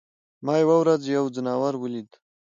ما یوه ورځ یو ځناور ولید.